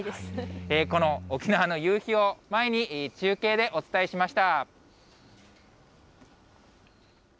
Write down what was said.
この沖縄の夕日を前に、中継でお伝えしました。